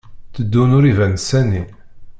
Teddun ur iban sani.